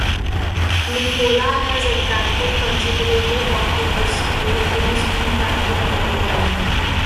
Linkola has attracted considerable controversy both in his home country and worldwide.